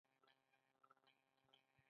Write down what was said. د هرات په ګذره کې د سمنټو مواد شته.